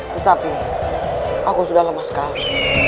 tetapi aku sudah lama sekali